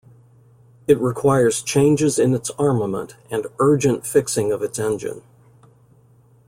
It requires changes in its armament, and urgent fixing of its engine.